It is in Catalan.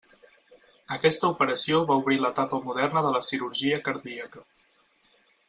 Aquesta operació va obrir l'etapa moderna de la cirurgia cardíaca.